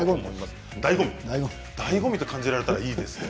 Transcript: だいご味と感じられたらいいですよ。